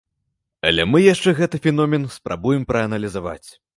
Але мы яшчэ гэты феномен спрабуем прааналізаваць.